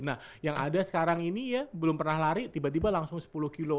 nah yang ada sekarang ini ya belum pernah lari tiba tiba langsung sepuluh kilo